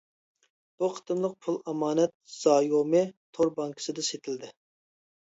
بۇ قېتىملىق پۇل ئامانەت زايومى تور بانكىسىدا سېتىلدى.